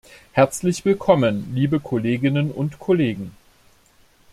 Herzlich willkommen, liebe Kolleginnen und Kollegen.